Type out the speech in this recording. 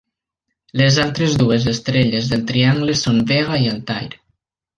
Les altres dues estrelles del triangle són Vega i Altair.